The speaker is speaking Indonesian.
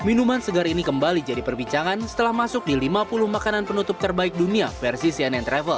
minuman segar ini kembali jadi perbincangan setelah masuk di lima puluh makanan penutup terbaik dunia versi cnn travel